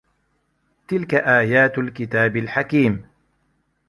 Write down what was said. تِلكَ آياتُ الكِتابِ الحَكيمِ